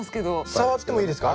触ってもいいですか？